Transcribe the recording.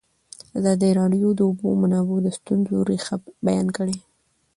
ازادي راډیو د د اوبو منابع د ستونزو رېښه بیان کړې.